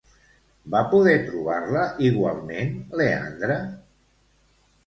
Va poder trobar-la, igualment, Leandre?